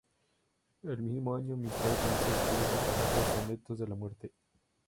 El mismo año, Mistral comenzó a escribir sus famosos "Sonetos de la muerte".